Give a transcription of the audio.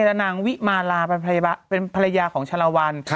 และนางวิมาลาเป็นภรรยาของชะละวัน